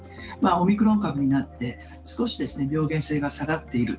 オミクロン株になって少し病原性が下がっている。